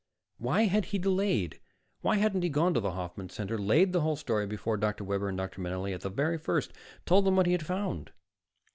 Why had he delayed? Why hadn't he gone to the Hoffman Center, laid the whole story before Dr. Webber and Dr. Manelli at the very first, told them what he had found?